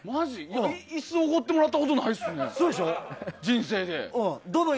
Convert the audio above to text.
椅子、おごってもらったことないですね、人生で。